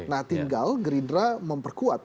nah tinggal geridra memperkuat